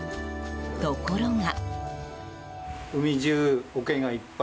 ところが。